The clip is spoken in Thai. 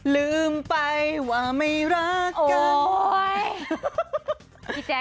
ลืมไปว่าไม่รักกัน